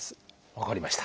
分かりました。